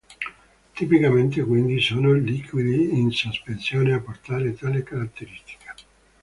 Tipicamente quindi sono liquidi in sospensione a portare tale caratteristica.